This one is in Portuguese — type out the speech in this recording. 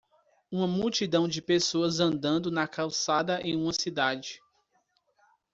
Uma multidão de pessoas andando na calçada em uma cidade.